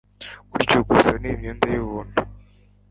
Gutyo gusa nimyenda yubuntu